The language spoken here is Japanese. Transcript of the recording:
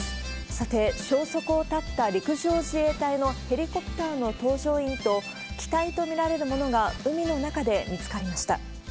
さて、消息を絶った陸上自衛隊のヘリコプターの搭乗員と機体と見られるものが海の中で見つかりました。